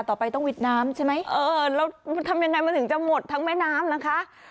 ต่อไปต้องวิดน้ำใช่ไหมเออแล้วทำยังไงมันถึงจะหมดทั้งแม่น้ำล่ะคะ